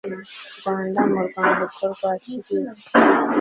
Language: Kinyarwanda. rwanda mu rwandiko rwakiriwe